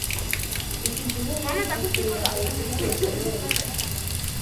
Iki gihugu gikungahaye kuri peteroli.